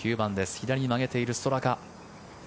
左に曲げているストラカ。